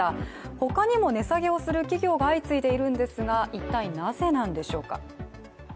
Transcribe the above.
他にも値下げをする企業が相次いでいるんですが、一体なぜなんでしょうか。